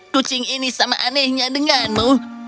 kucing ini sama anehnya denganmu